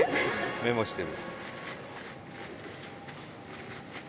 メモしてる。